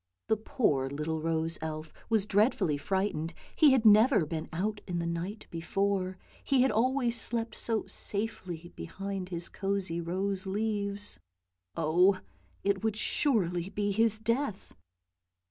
The poor little rose elf was dread fully frightened, he had never been out in the night before; he had always slept so safely behind his cosy rose leaves. Oh, it would surely be his death!